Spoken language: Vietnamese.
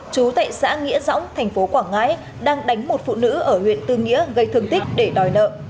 chú tại xã nghĩa dõng thành phố quảng ngãi đang đánh một phụ nữ ở huyện tư nghĩa gây thương tích để đòi nợ